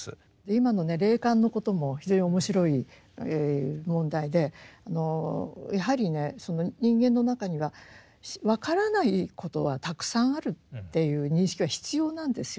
今のね霊感のことも非常に面白い問題でやはりね人間の中には分からないことはたくさんあるっていう認識は必要なんですよ。